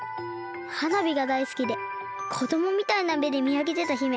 はなびがだいすきでこどもみたいなめでみあげてた姫。